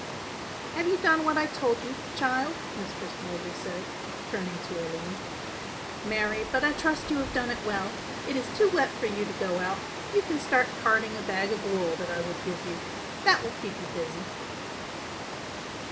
"Have you done what I told you, child?" Mistress Mowbray said, turning to Aline. "Marry, but I trust you have done it well. It is too wet for you to go out; you can start carding a bag of wool that I will give you. That will keep you busy."